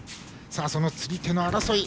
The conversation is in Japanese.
その釣り手の争い。